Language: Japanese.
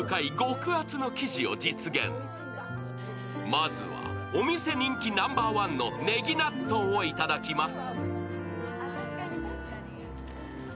まずはお店人気ナンバーワンのねぎ納豆をいただきあｍす。